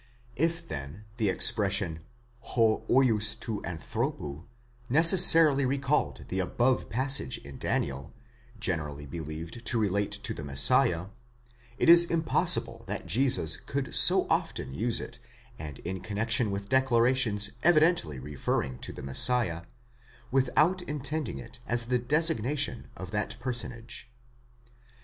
8 If, then, the expression 6 vids τοῦ ἀνθρώπου necessarily recalled the above passage in Daniel, generally believed to relate to the Messiah, it is impossible that Jesus could so often use it, and in con nexion with declarations evidently referring to the Messiah, without intending it as the designation of that personage.